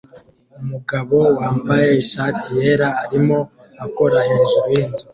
Umugabo wambaye ishati yera arimo akora hejuru yinzu